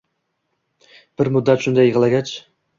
Bir muddat shunday yig'lagach: